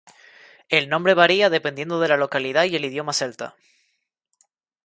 El nombre varía dependiendo de la localidad y el idioma celta.